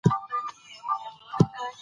مينه د ژوند ښايست دي